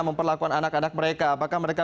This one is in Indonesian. memperlakukan anak anak mereka apakah mereka